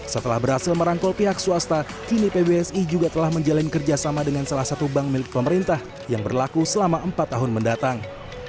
setelah berhasil merangkul pihak swasta kini pbsi juga telah menjalin kerjasama dengan salah satu bank milik pemerintah yang berlaku selama empat tahun mendatang